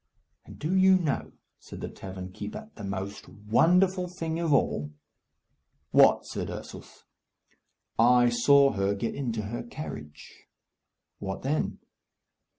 "And do you know," said the tavern keeper, "the most wonderful thing of all?" "What?" said Ursus. "I saw her get into her carriage." "What then?"